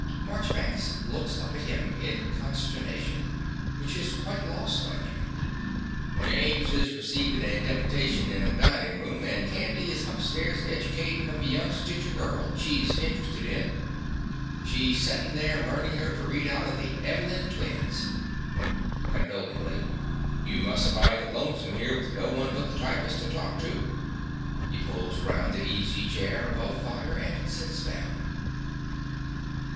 (Marchbanks looks up at him in consternation, which is quite lost on him.) James is receivin' a deppitation in the dinin' room; and Candy is hupstairs educatin' of a young stitcher gurl she's hinterusted in. She's settin' there learnin' her to read out of the "'Ev'nly Twins." (Condolingly.) You must find it lonesome here with no one but the typist to talk to. (He pulls round the easy chair above fire, and sits down.)